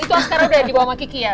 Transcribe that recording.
itu sekarang udah dibawa sama kiki ya